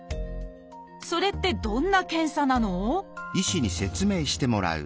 それってどんな検査なの？